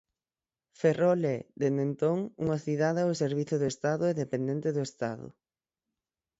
Ferrol é, dende entón, unha cidade ao servizo do Estado e dependente do Estado.